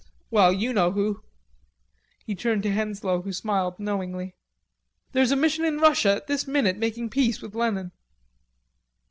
Well, you know who." He turned to Henslowe, who smiled knowingly. "There's a mission in Russia at this minute making peace with Lenin."